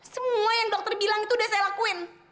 semua yang dokter bilang itu udah saya lakuin